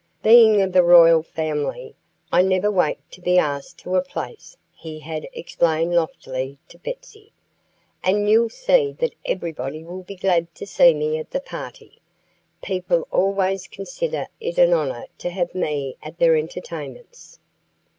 "Being of a royal family, I never wait to be asked to a place," he had explained loftily to Betsy. "And you'll see that everybody will be glad to see me at the party. People always consider it an honor to have me at their entertainments."